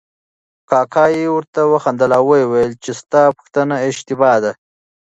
کاکا یې ورته وخندل او ویې ویل چې ستا پوښتنه اشتباه ده.